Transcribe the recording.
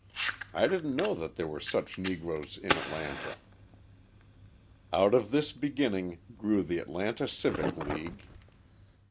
I didn't know that there were such Negroes in Atlanta." Out of this beginning grew the Atlanta Civic League.